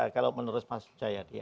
kalau menurut mas sujayadi